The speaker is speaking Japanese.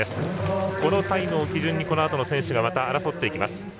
このタイムを基準にこのあとの選手がまた争っていきます。